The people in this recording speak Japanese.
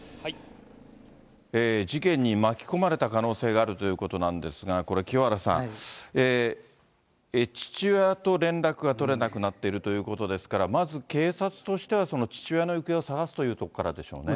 事件に巻き込まれた可能性があるということなんですが、これ、清原さん、父親と連絡が取れなくなっているということですから、まず警察としては、その父親の行方を捜すというところからでしょうね。